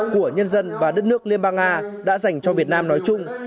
của nhân dân và đất nước liên bang nga đã dành cho việt nam nói chung